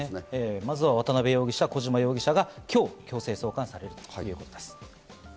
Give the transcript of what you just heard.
まずは渡辺容疑者、小島容疑者が今日、強制送還されるということです。